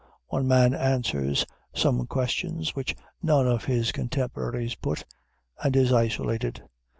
One man answers some questions which none of his contemporaries put, and is isolated.